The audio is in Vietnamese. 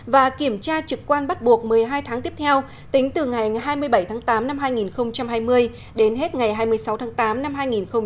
và kiểm tra trực quan bắt buộc một mươi hai tháng tiếp theo tính từ ngày hai mươi bảy tháng tám năm hai nghìn hai mươi đến hết ngày hai mươi sáu tháng tám năm hai nghìn hai mươi